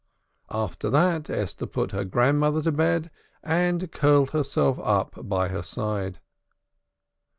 After that, Esther put her grandmother to bed and curled herself up at her side.